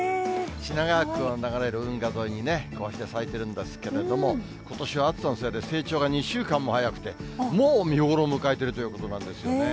品川区を流れる運河沿いにね、こうして咲いてるんですけれども、ことしは暑さのせいで、成長が２週間も早くて、もう見頃を迎えているということなんですよね。